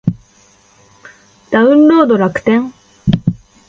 ダウンロード楽天